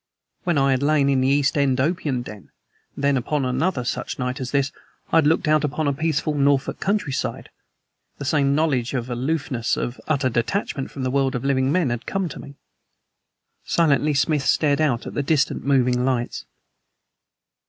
When I had lain in the East End opium den, when upon such another night as this I had looked out upon a peaceful Norfolk countryside, the same knowledge of aloofness, of utter detachment from the world of living men, had come to me. Silently Smith stared out at the distant moving lights.